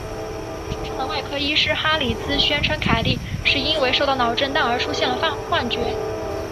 车上的外科医师哈里兹宣称凯莉是因为受到脑震荡而出现了幻觉。